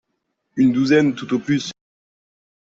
Une douzaine tout au plus